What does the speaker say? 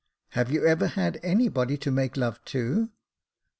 " Have you ever had any body to make love to ?